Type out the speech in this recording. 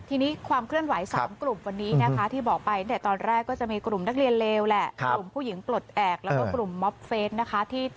ทีนี้ความเคลื่อนไหว๓กลุ่มวันนี้ที่บอกไปตอนแรก